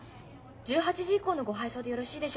１８時以降のご配送でよろしいでしょうか？